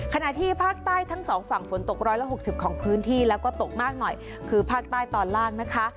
ขณะที่ภาคใต้ทั้งสองฝั่งฝนตกร้อยละ๖๐ของพื้นที่แล้วก็ตกมากหน่อยคือภาคใต้ตอนล่างนะคะ